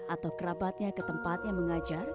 atau kerabatnya ke tempat yang mengajar